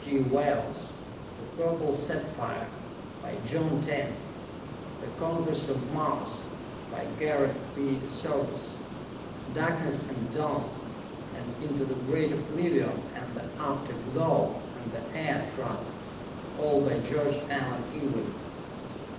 G. Wells; "The Purple Sapphire," by John Taine; "The Conquest of Mars," by Garrett P. Serviss; "Darkness and Dawn," and "Into the Great Oblivion," and "The After Glow," and "The Air Trust" all by George Allan England.